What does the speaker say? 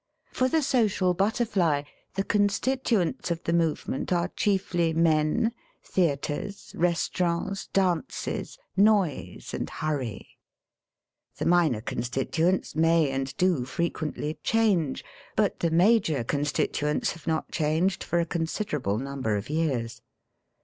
For the social but terfly the constituents of the movement are chiefly men, theatres, restaurants, dances, noise, and hurry. The minor constituents may and do fre quently change, but the major constituents have not clianged for a considerable number of years.